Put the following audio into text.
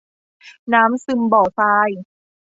น้ำซึมบ่อทราย